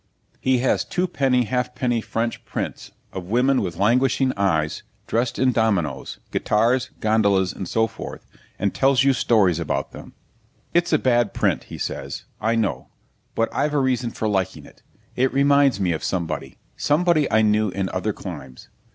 He has twopenny halfpenny French prints of women with languishing eyes, dressed in dominoes, guitars, gondolas, and so forth, and tells you stories about them. 'It's a bad print,' says he, 'I know, but I've a reason for liking it. It reminds me of somebody somebody I knew in other climes.